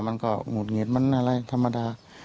มันก็หงุดหงิดมันอะไรธรรมดา